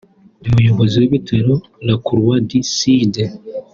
umuyobozi w’ibitaro La Croix Du Sud